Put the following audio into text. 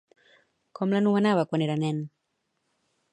Com l'anomenava quan era nen?